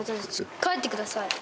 帰ってください。